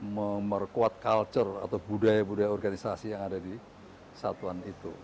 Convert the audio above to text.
memperkuat culture atau budaya budaya organisasi yang ada di satuan itu